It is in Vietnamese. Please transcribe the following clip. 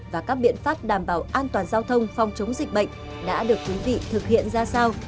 và các biện pháp đảm bảo an toàn giao thông phòng chống dịch bệnh đã được quý vị thực hiện ra sao